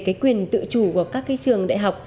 cái quyền tự chủ của các cái trường đại học